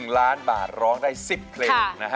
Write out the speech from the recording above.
๑ล้านบาทร้องแบบได้๑๐เพลง